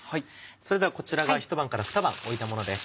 それではこちらがひと晩からふた晩置いたものです。